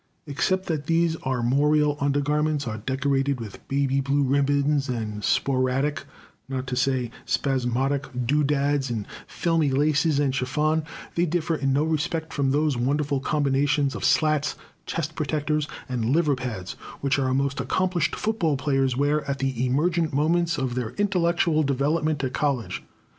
Except that these armorial undergarments are decorated with baby blue ribbons, and sporadic, not to say spasmodic, doodads in filmy laces and chiffon, they differ in no respect from those wonderful combinations of slats, chest protectors, and liver pads which our most accomplished football players wear at the emergent moments of their intellectual development at college.